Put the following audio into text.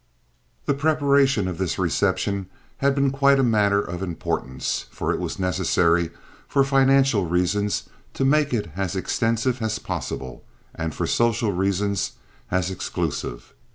The preparation of this reception had been quite a matter of importance, for it was necessary for financial reasons to make it as extensive as possible, and for social reasons as exclusive.